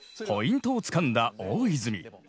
ポイントをつかんだ大泉。